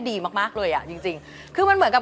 ดีมากเลยจริงคือมันเหมือนกับ